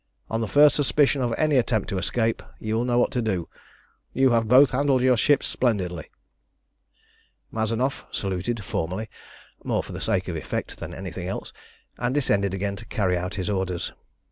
On the first suspicion of any attempt to escape you will know what to do. You have both handled your ships splendidly." Mazanoff saluted formally, more for the sake of effect than anything else, and descended again to carry out his orders.